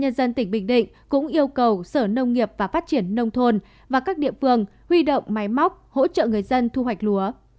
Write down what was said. nhân dân tỉnh bình định cũng yêu cầu sở nông nghiệp và phát triển nông thôn và các địa phương huy động máy móc hỗ trợ người dân thu hoạch lúa